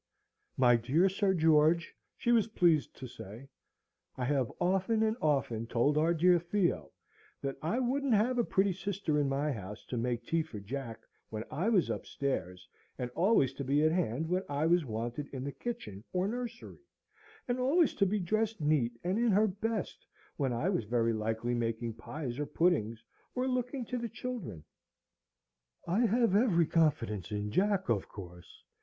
"My dear Sir George," she was pleased to say, "I have often and often told our dear Theo that I wouldn't have a pretty sister in my house to make tea for Jack when I was upstairs, and always to be at hand when I was wanted in the kitchen or nursery, and always to be dressed neat and in her best when I was very likely making pies or puddings or looking to the children. I have every confidence in Jack, of course.